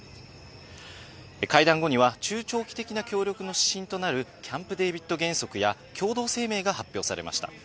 会談後には中長期的な協力の指針となるキャンプ・デービッド原則や共同声明が発表されました。